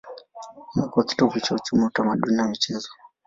Imekuwa kitovu cha uchumi, utamaduni na michezo.